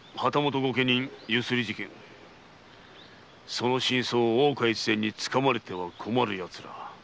その真相を大岡越前に掴まれては困るやつら。